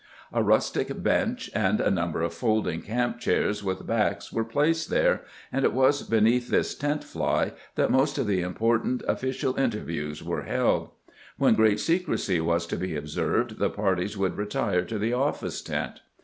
A rustic bench and a number of folding camp chairs with backs were placed there, and it was beneath this tent fly that most of the important official interviews were held. When great secrecy was to be observed the parties would retire to the office tent.